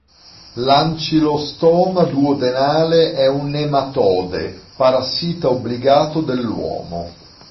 L"'Ancylostoma duodenale" è un nematode, parassita obbligato dell'uomo.